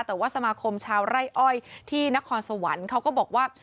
แต่ว่าสมาคมชาวไร่อ้อยที่นครสวรรค์เขาก็บอกว่า